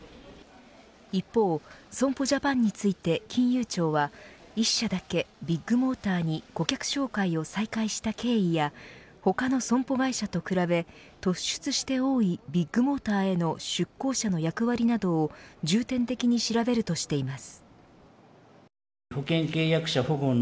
一方損保ジャパンについて金融庁は１社だけビッグモーターに顧客紹介を再開した経緯や他の損保会社と比べ突出して多いビッグモーターへの出向者の役割などを重点的に調べるとしています。